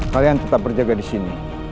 kalian tetap berjaga di sini